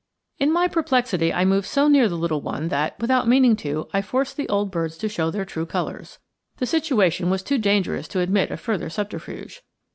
In my perplexity I moved so near the little one that, without meaning to, I forced the old birds to show their true colors. The situation was too dangerous to admit of further subterfuge.